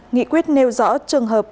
nghị quyết nêu rõ trường hợp